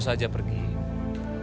jijik dan bahagia